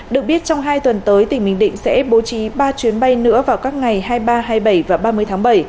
được biết trong hai tuần tới tỉnh bình định sẽ bố trí ba chuyến bay nữa vào các ngày hai mươi ba hai mươi bảy và ba mươi tháng bảy